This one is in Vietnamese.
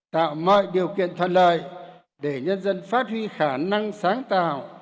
tạo mọi điều kiện thuận lợi để nhân dân phát huy khả năng sáng tạo